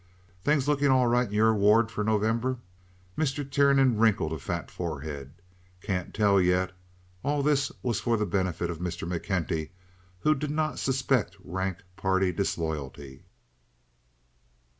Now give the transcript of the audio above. "Things lookin' all right in your ward for November?" Mr. Tiernan wrinkled a fat forehead. "Can't tell yet." All this was for the benefit of Mr. McKenty, who did not suspect rank party disloyalty.